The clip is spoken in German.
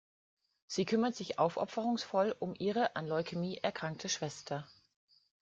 Sie kümmert sich aufopferungsvoll um ihre an Leukämie erkrankte Schwester.